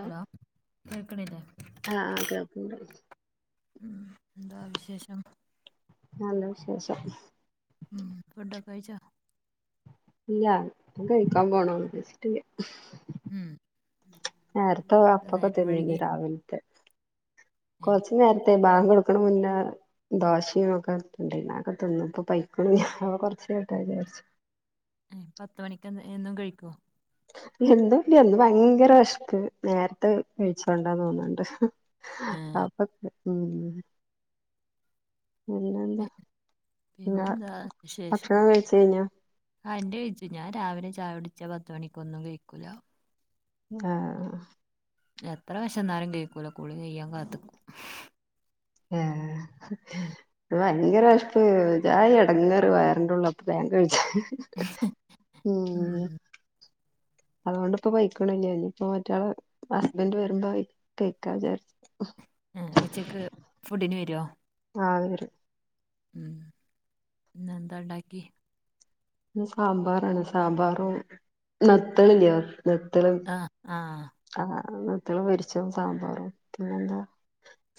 Hello കേക്കണില്ലേ ആഹ് ആഹ് കേൾക്ക്ണ്ട് ഉം എന്താ വിശേഷം? നല്ല വിശേഷം ഉം ഫുഡൊക്കെയ്ച്ചോ? ഇല്ല ഞാൻ കയിക്കാൻ പോണള്ളൂ കയിച്ചിട്ടില്ല ഉം നേരത്തെ ഇന്ന് അപ്പൊക്കെ നേരം തിന്നീന്ന് വഴുകി രാവിലത്തെ ഏ കൊറച്ചു നേരത്തെ ബാങ്കൊടുക്കണെ മുന്നേ ദോശയും ഒക്കെ ഇപ്പിണ്ടാർന്ന് അതൊക്കെ തിന്നു ഇപ്പൊ പയിക്കുണു അപ്പൊ കൊറച്ചേ യിട്ടേ വിചാരിച്ച് ഏഹ് പത്തുമണിക്ക് എന്ന് എന്നും കഴിക്കോ? എന്നൂല്ല്യാ ഇന്ന് ഭയങ്കര വെശപ്പ് നേരത്തെ കഴിച്ചോണ്ടാന്ന് തോന്ന്ണ്ട് ഏ പ്പാ പ്പൊ ഉം പിന്നെ എന്താ പി [unintelligible] പിന്നെന്താ ഭക്ഷണം കയിച്ചയിഞ്ഞോ? ആഹ് എന്റെ കയ്ച്ചു ഞാൻ രാവിലെ ചായുടിച്ചാ പത്തുമണിക്കൊന്നും കയിക്കൂലാ ആഹ് എത്ര വെശന്നാലും കയിക്കൂലാ കുളി കയ്യാൻ കാത്തക്കും ഏഹ് [unintelligible] ഭയങ്കര വെശപ്പ് ഒര്ജാതി എടങ്ങേറ് വയറിന്റുള്ള് അപ്പൊ വേഗം കയിച്ചു ഉം അതുകൊണ്ട്പ്പൊ പൈക്കണുല്ല ഇനിയിപ്പോ മറ്റാള് ഹസ്ബന്റ് വരുമ്പോ കയിക്കാ വിചാരിച്ചു ഏഹ് ഉച്ചക്ക് ഫുഡിന് വര്വോ ആഹ് വരും ഉം ഇന്നെന്താണ്ടാക്കീ ഇന്ന് സാമ്പാറാണ് സാമ്പാറും നത്തളില്ലേ നത്തല് ആ ആ ആഹ് നത്തള് പൊരിച്ചതും സാമ്പാറും പിന്നെന്താ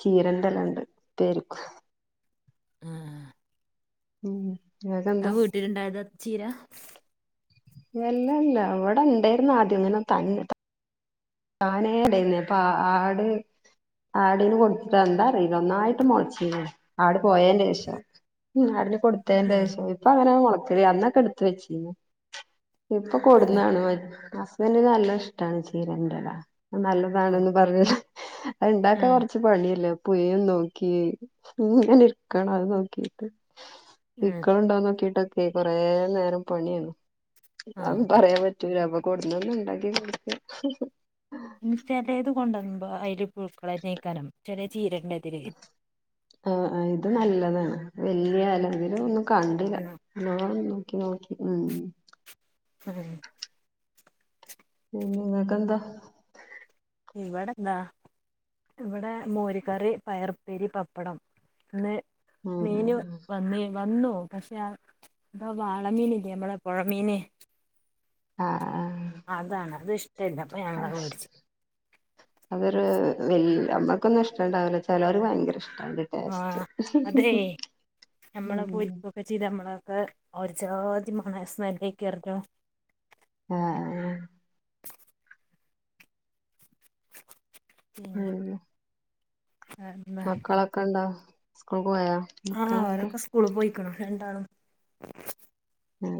ചീരണ്ടലണ്ട് പേരിക്ക് ആഹ് ഉം അത് ഇങ്ങക്കെന്താ വീട്ടിലുണ്ടായതാ ചീര ഏഹ് അല്ലല്ല ഇവടെ ഇണ്ടേര്ന്നാദ്യം ഇങ്ങനെ തന്നെ താനേണ്ടാര്ന്ന് അപ്പൊ ആഹ് ആട് ആടിന് കൊടുത്തിട്ടെന്താറീല നന്നായിട്ട് മൊളച്ചീനു ആട് പോയേന്റെ ശേഷം ഉം ആടിന് ഉം കൊടുത്തേന്റെശം ഇപ്പൊ അങ്ങനെ മുളക്കല് അന്നൊക്കെ എടുത്ത വെച്ചീനു ഇപ്പൊ ഉം കൊടുന്നാണ് ഹസ്ബൻഡ നല്ല ഇഷ്ടമാണ് ചീരൻ ഓ നല്ലതാണന്ന് പറഞ്ഞില്ല അത് ഇണ്ടാക്കാ ഉം കൊറച്ച് പണിയല്ലേ പുയും നോക്കീ ഇങ്ങനെ ഇരിക്കണം അത് നോക്കിട്ട് ഉം പിയുക്കളുണ്ടോന്ന് നോക്കിട്ടൊക്കെയേ കൊറേ നേരം പണിയാണ് ആ അ പറയാൻ പറ്റൂരപ്പ കൊടന്ന ഒന്ന ഉണ്ടാക്കി കൊടുക്ക ഇ ചിലത് കൊണ്ട വന്നുമ്പോ അതില് പുക്കളെ നീക്കാനും ചലെ ആ ഇത് നല്ലതാണ് വലിയ അല്ലെങ്കിലും ഒന്നും കണ്ടില്ല അ നോക്കി നോക്കി ഉം ഉം പിന്നെ ങ്ങക്കെന്താ ഇവടെന്താ ഇവിടെ മോര് കറി പയർപ്പേരി പപ്പടം ഇന്ന് മീന് ഉം വന്നേ വന്നു പക്ഷെ വാള മീൻ ഇല്ലേ നമ്മടെ പുഴ മീൻ ആ ആ അതാണ് അത് ഇഷ്ട്ടല്ല അപ്പൊ ഞങ്ങളത് ആ വേടിച്ച അതൊരു വല് അമ്മക്കൊന്നും ഇഷ്ട ഇണ്ടാവില്ല ചിലവർ ഭയങ്കര ഇഷ്ട ആ അതെ നമ്മള് ഉം പോയിപ്പോക്കെ ചെയ്ത നമ്മളൊക്കെ ഒരുജാതി മണവും സ്മെല്ലും ആയിക്കാരല്ലോ ആ പിന്നെ ഉം വേറെന്താ മക്കളൊക്കെ ഇണ്ടാ സ്ക്കൂൾ ആഹ് അവരൊക്കെ സ്കൂള് പോയിക്കണു രണ്ടാളും ഉം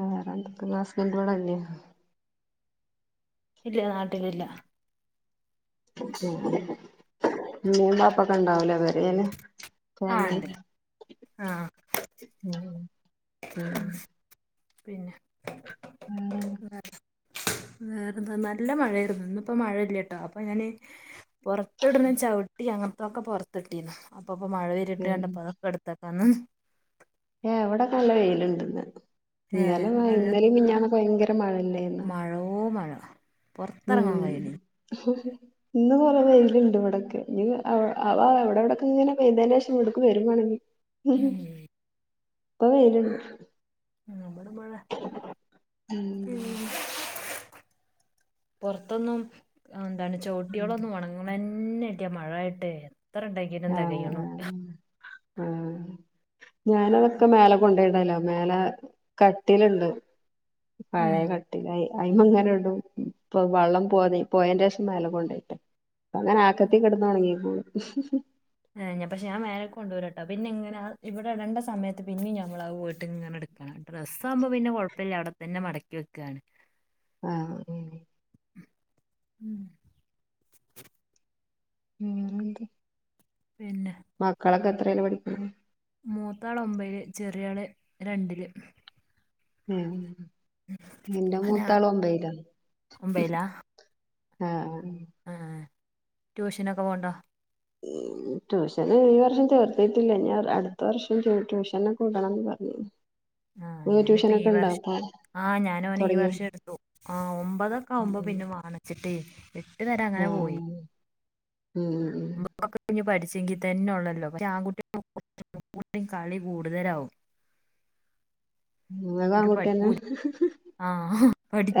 വേറെന്തൊക്കെണ് ഹസ്ബന്റവിടെ ഇല്ലെ ഇല്ല നാട്ടിലില്ല ഉമ്മീ വാപ്പക്കെ ഇണ്ടാവൂലേ പെരെല് ആഹ് ഉണ്ട് ഫാമിലി ഉം പിന്നെ ഉം അ വേറെന്താ നല്ല മഴായിരുന്നു ഇന്നിപ്പോ മഴയില്ല കേട്ടോ അപ്പൊ ഞാന് പുറത്ത് ഇടുന്ന ചവിട്ടി അങ്ങനത്തൊക്കെ പുറത്തി ഇട്ടീന്ന് അപ്പൊ അപ്പ മഴ വരിയിട്ട വേറെ കണ്ടപ്പോ അതൊക്കെ എടുത്ത പനും എവിടെക്കെ നല്ല വെയിലുണ്ടന്ന് ഇന്നലെ ഇന്നലും മിനിഞ്ഞാന്നൊക്കെ ഭയങ്കര മഴയല്ലേരുന്നോ മഴോ മഴ പുറത്തിറങ്ങാൻ ഉം കഴിയണേ ഇന്ന് കൊറെ വേൽ ണ്ട് ഇവിടക്ക് അവ എവിടെ എവിടക്ക ഇങ്ങനെ പെയതെ ന്റെ ശേഷം ഇവിടക്ക് വരുവാണെങ്കിൽ ഇപ്പൊ വേലുണ്ട് ഉവിടുമ്പഴ ഉം പുറത്തൊന്നും എന്താണ് ചുവട്ടികളൊന്നും വണങ്ങ പിന്നെ ഇട്ടിയ മഴ ആയിട്ട് എത്ര ഉണ്ടൊക്കിട്ടും തെകയുണില്ല ആഹ് [inaudible] ഞാന അതൊക്കെ മേലെ കൊണ്ടയിടല്ലോ മേലെ കട്ടിലുണ്ട് പഴയ ഉം കട്ടില അയിമംഗനെ വള്ളം പോ പോയേന്റെ ശേഷം മേല കൊണ്ടയിടും അങ്ങനെ ആക്കത്തി കിടന്ന് ഉണങ്ങിക്കോളും ്ഞാ പക്ഷ ഞാ വേരെക്ക കൊണ്ട്വരാട്ടോ പിന്നെ ഇങ്ങനെ ഇവിടെടണ്ട സമയത്ത് പിന്ന ഞമ്മ ആ പോയിട്ട് ഇെ ഡ്രസ്സ് ആകുമ്പോ പിന്നെ കുഴപ്പമില്ല അവിടെത്തന്നെ മടക്കി വെക്കയാണ് ആ ഉം ഉം എ [inaudible] പിന്നെ മക്കളൊക്കെ എത്രലാ പഠിക്കണത് മൂത്താള് ഒമ്പതില് ചെറിയാള് രണ്ടില് ഉം എൻ്റെ അതാ മൂത്താള് ഒമ്പതിലാ ഒമ്പയിലാ ആ അ ആ ആ ട്യൂഷനൊക്കെ പോണ്ണ്ടോ ട്യൂഷന് ഈ വർഷം ചേർത്തിട്ടില്ല ഇനി അടുത്ത വർഷം ട്യൂഷനൊക്കെ വിടണംന്ന് പറഞ്ഞു ആ ഞാനിപ്പോ ഈ ട്യൂഷനൊക്കെ ഉണ്ടാ വർഷം അവിടെ ആ ഞാനവനെ ഈ വർഷം എടുത്തു ആ ഒമ്പതൊക്കെ ആകുമ്പോ പിന്നെ വാണച്ചിട്ടേ എട്ട് വരെ അങ്ങനെ പോയി ആഹ് ഉം മ്മക്കൊക്കെ പഠിച്ച- ച്ചങ്കി തന്നെ ഉള്ളല്ലോ പക്ഷെ ആൺകുട്ടികു [inaudible] കളി കൂടുതലാവും ഇങ്ങളും ഓര് ആൺകുട്ടിയെന്നെ പഠിക്കൂല ആ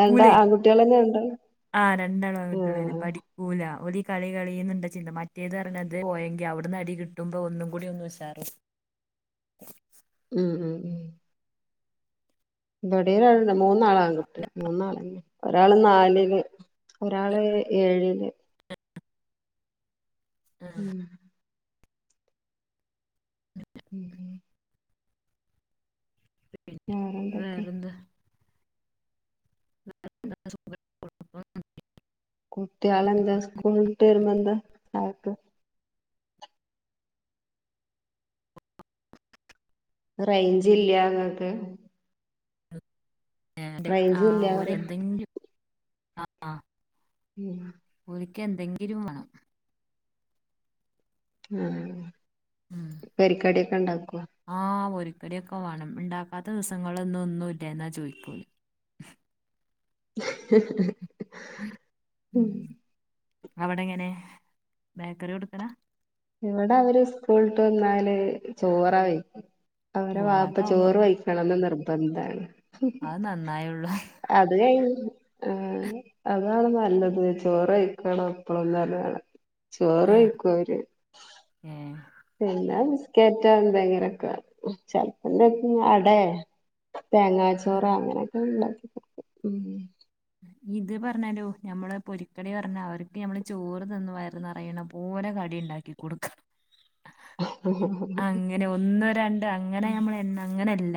രണ്ട് ആൺകുട്ടികളെന്നെ രണ്ടാളും ആ രണ്ടാളും ആങ്കുട്ട്യാളന്നെ ആഹ് പഠിക്കൂല ഓല് കളി കളി എന്ന ചിന്ത മറ്റേത് പറഞ്ഞത് പോയെങ്കി അവിടുന്ന് അടി കിട്ടുമ്പോ ഒന്നും കൂടി ഒന്ന് ഉഷാറാവും [inaudible] ഉം ഉം ഉം ഇവിടെ ഒരാളെന്നെ മൂന്നാളാങ്കുട്ടി മൂന്നാളന്നെ ഒരാള് നാലില് ഒരാള് ഏഴില് ആ ഉം ഉം പിന്നെ വേറെന്തൊക്കെ വേറെന്താ [inaudible] കുട്ടികളെന്താ സ്കൂളട്ട് വരുമ്പോ എന്താ ചായക്ക് റേയ്ഞ്ച് ഇല്ല നിങ്ങൾക്ക് ഒരു ആ ഇല്ല ഓന് പറയാ എന്തെങ്കിലും ഉം ഇക്ക് എന്തെങ്കിലും വേണം ആ ഉം പൊരിക്കടി ഒക്കെ ഉണ്ടാക്കുവോ പൊരിയൊക്കെ വേണം ഉണ്ടാക്കാത്ത ദിവസങ്ങളൊന്നും ഒന്നും ഇല്ല എന്നാ ചോദിക്കും ഉം അവിടെ എങ്ങനെ ബേക്കറി കൊടുക്കലാ ഇവിടെ അവര് സ്കൂളിട്ട് വന്നാല് ചോറാ കഴിക്ക അവൻ്റെ ഓഹ് വാപ്പ അതാവുമ്പോ ചോറ് കഴിക്കണം എന്ന് നിർബന്ധമാണ് അത് നന്നായുള്ളൂ അത് കഴിഞ്ഞ് ആ അതാണ് നല്ലത് ചോറ് കഴിക്കണം എപ്പളും എന്നാണ് ചോറ് കഴിക്കും അവര് ഏ പിന്നെ ബിസ്കറ്റോ എന്തെങ്കിലൊക്കെ ചെലപ്പം അടേ [inaudible] തേങ്ങാച്ചോറ് അങ്ങനൊക്കെ ഉണ്ടാക്കി കൊടുക്കും ഇത് പറഞ്ഞാലോ ഞമ്മള് പൊരിക്കടി പറഞ്ഞ് അവർക്ക് ഞമ്മള് ചോറ് തിന്നു വയറ് നിറയണം അത് പോലെ കളി കടി ഉണ്ടാക്കി കൊടുക്ക അങ്ങനെ ഒന്ന് രണ്ട് അങ്ങനെ ഉം നമ്മൾ എണ്ണ അങ്ങനെയല്ല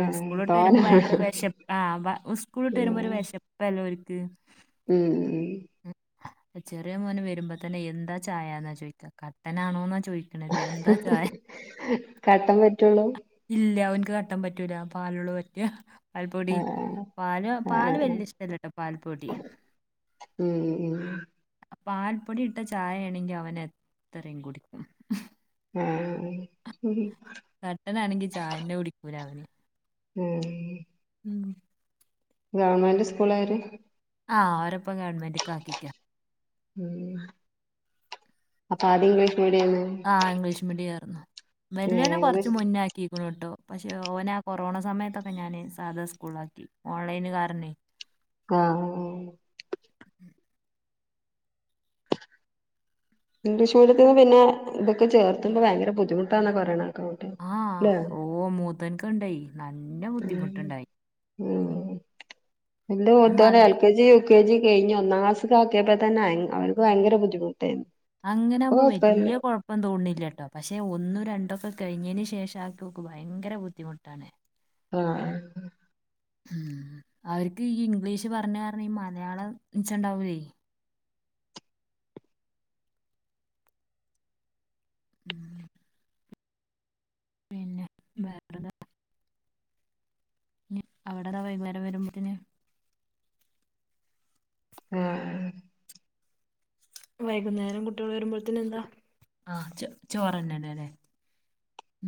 ഏഹ് സ്കൂള് വിട്ട് തോന വരുമ്പോ ഭയങ്കര വിശപ്പാ സ്കൂള് വിട്ട് വരുമ്പോ ഒരു ഉം വിശപ്പല്ലോ ഓര്ക്ക് ക്ക് ഉം ചെറിയ മോന് വരുമ്പോ തന്നെ എന്താ ചായന്നാ ചോദിക്കാ കട്ടനാണോ ചോദിക്കണത് എന്താ ചായ കട്ടൻ പറ്റുള്ളൂ ഇല്ലാ ഓന്- കട്ടൻ പറ്റൂല പാലുള്ളതാ പറ്റാ പാൽപൊടി ആഹ് പാലൊ പാല് ആഹ് വല്യ ഇഷ്ടല്ലട്ടോ പാൽപ്പൊടി. ഇം. പൽപ്പൊടി ഇട്ട ചായയാണെങ്കിൽ അവൻഎത്രയും കുടിക്കും. ഉം ഉം കട്ടനാണെങ്കി ചായന്നെ കുടിക്കൂല അവന്. ഉം ഉം. ഉം ഗ ആ അവരെ ഇപ്പം ഗവൺമെന്റ്ക്ക് ആക്കിക്കാ. ഉം മീഡിയന്ന് ആ ഇംഗ്ലീഷ് മീഡിയം ആയിരുന്നു ഏഹ് വെലിയേനെ കൊറച്ച് ഇംഗ്ലീഷ് മുന്നാക്കിക്ക്ണ് ട്ടോ. പക്ഷെ ഓന ആ കൊറോണ സമയത്തൊക്കെ ഞാന് സാധാ സ്കൂളിൽ ആക്കി ഓൺലൈന് കാരണേ. ആ ആ. ഉം ഇംഗ്ലീഷ് മീഡിയത്ത്ന്ന് പിന്നെ ഇതൊക്ക ചെർത്തുമ്പോ ഭയങ്കര ബുദ്ധിമുട്ടാന്നക്കെ പറയാണ്. ആഹ ഓ മൂത്തോന്ക്ക് ഉണ്ടായി നല്ല ഉം ബുദ്ധിമുട്ടുണ്ടായി. ഉം ഇന്റെ ഈ മൂത്തോൻ മല L K G. K G കഴിഞ്ഞ് ഒന്നാംക്ലാസ് ആക്കിയപ്പോ തന്നെ അവൻ അവൻക്ക് ഭയങ്കര ബുദ്ധിമുട്ടായിരുന്നു. അങ്ങനെ ഇപ്പൊ ആകുമ്പോ കൊഴപ്പല്ല വല്യ കുഴപ്പം തോന്നില്ലട്ടോ പക്ഷെ ഒന്നും രണ്ടുംഒക്കെ. കഴിഞ്ഞതിന് ശേഷം ആക്കി നോക്ക് ഭയങ്കര ബുദ്ധിമുട്ടാണ്. ആഹ. ഉം അവർക്ക് ഈ ഇംഗ്ലീഷ് പറഞ്ഞ് പറഞ്ഞ് ഈ മലയാളം ന്നിച്ചണ്ടാവൂലേ. ഉം. പിന്നെ വേറെന്താ. ഇനി അവിടതാ വൈകുന്നേരം വരുമ്പോത്തിന്. ആഹ. വൈകുന്നേരം കുട്ടികൾ വരുമ്പോഴത്തി ന് എന്താ ആ ചോ ചോറ്ന്നെഅല്ലെ.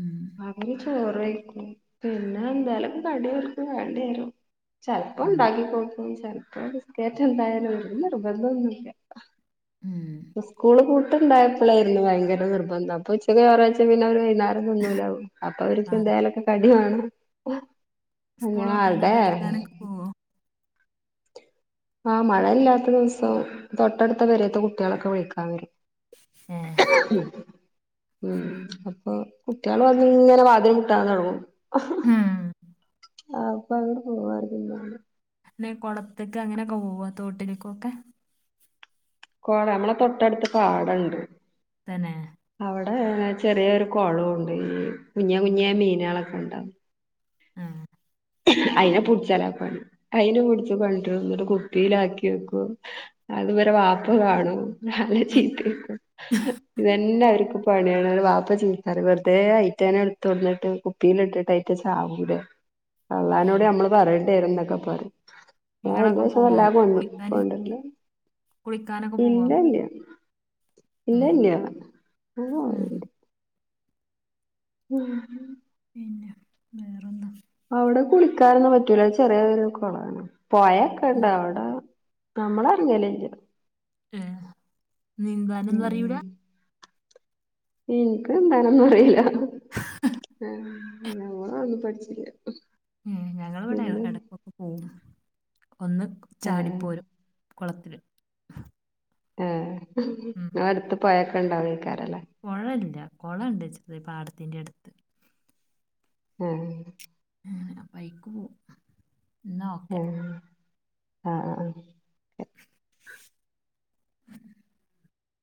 ഉം. ആദ്യം ചോറ് വയിക്കും പിന്നെ എന്തായേലും കടിഓർക്ക് വേണ്ടി വരും. ചെൽപ്പോം ഉം ഉണ്ടാക്കി കൊടുക്കും ചെൽ പ്പോ ബിസ്കേറ്റ് എന്തായാലും നിർ ബന്ധം ഒന്നുമില്ല. ഉം സ്കൂള് പൂ ഇപ്പട്ടയപ്പോഴായിരുന്നു ഭയങ്കര നിർബന്ധം അപ്പൊ ഉച്ചക്ക് ചോർയ്ച്ച് പിന്നെ ഒരു വൈന്ന തിന്നുല്ല ഒന്നും അപ്പൊ അവർക്ക് ആ എന്തോലൊക്കെ കടിവെണം. സ്കൂൾ അങ്ങന വിട്ട് വന്നാ അട്ടെ. കളിക്കാനൊക്കെ പോവോ ആ മഴയില്ലാത്ത ദിവസവും തൊട്ടടുത്ത പേരെത്തകുട്ടികളൊക്കെ വിളിക്കാൻ വരും. ഏ എം ഹെ ഉം അപ്പൊ കുട്ടികള് വന്ന് ഇങ്ങനെ വാതിൽ മുട്ടാന് തുടങ്ങും. ഹ ഉം ഹ അപ്പാ അങ്ങാട്ട് പോലെയിരിക്കും ന്നാൽ പിന്നെ കുളത്ത്ക്ക് അങ്ങനെയൊക്കെ പോവോ തോട്ടിലേക്കൊക്കെ. കോറെ നമ്മളെ തൊട്ടടുത്ത് പാടണ്ട്. തന്നെ. ഇവിടെ ചെറിയ ഒരു കൊളോ ഉണ്ട് ഈ കുഞ്ഞ കുഞ്ഞേ മീനുകളൊക്കെ ഇണ്ടവും. ആഹ. അയ്ന പുട്ചെല പണി അയിനെ പിടിച്ച് കൊണ്ടരുംന്നിട്ട് കുപ്പിയിലാക്കി വെക്കും. അതുവരെ വാപ്പകാണുംനല്ല ചീത്തെ ക്കും ഇതന്നെ അവർക്ക്. പണിയണ് വാപ്പ ചീത്തരിം വെറുതെ ഐറ്റനെ എടുതോട്ന്നിട്ട് കുപ്പിൽ ഇട്ടിട്ട് ഐറ്റ്ങ്ങൾ ചാവൂലെ. ഉം. അള്ളഹാനോട് നമ്മള് പറയേണ്ടായിരുന്നൊക്കെ പറിം. ആ അതിന്റെ നിങ്ങളൊക്കെ ശേഷം പോവോ വല്ലാ കുളിക്കാന് പോവല്ല കുളിക്കാനൊക്കെ പോവോ? ഇല്ല ഉം. ഇല്ല ഞാൻ ഉം. പോവില്ല ഉം പിന്നെ വേറെന്താ അവടെ കുളിക്കാനൊന്നും പറ്റൂല ചെറിയൊരു കൊളാണ് പോയൊക്കെണ്ട് ഉം. അവടെ നമ്മളറിങ്കല്ലേ- ഏ നീന്താനൊന്നറിയൂല? ഇ ൻ ക്ക് ന്താനൊന്നും അറിയൂല [unintelligible] ഓള് അതൊന്നും പഠിച്ചീല. ഉം ഞങ്ങള് ഇവിടെ എടക്കൊക്കെ പോവും ഒന്ന് ഏഹ് ചാടിപ്പോരും കൊളത്തില് ഏഹ് ഇങ്ങളെ അടുത്ത് പൊയക്കെ ഇണ്ടാവൊയ്ക്കാ പൊഴേല്ല കോളണ്ട് ചെറ്യേ പാടത്തിന്റട് ഏഹ് അങ്ങനെ അപ്പയ്ക്ക് പോവും എന്നാ ഓക്കെ ഏഹ് ആഹ് ആഹ് ആഹ്